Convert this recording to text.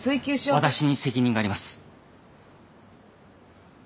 私に責任があります。